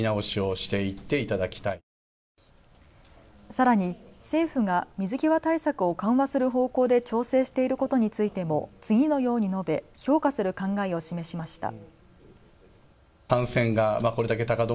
さらに政府が水際対策を緩和する方向で調整していることについても次のように述べ評価する考えを示しました。